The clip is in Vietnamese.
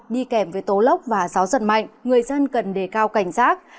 đi kèm với tố lốc và gió giật mạnh người dân cần đề cao cảnh giác